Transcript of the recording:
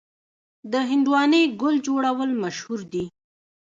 د هندواڼې ګل جوړول مشهور دي.